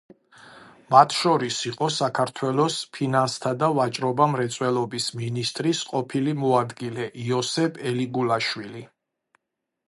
მათ შორის იყო საქართველოს ფინანსთა და ვაჭრობა-მრეწველობის მინისტრის ყოფილი მოადგილე იოსებ ელიგულაშვილი.